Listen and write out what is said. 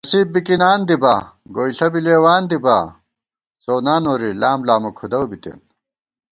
نصیب بِکِنان دِبا ، گوئیݪہ بی لېوان دِبا ، څُؤ نا نوری لام لامہ کھُدَؤ بِتېن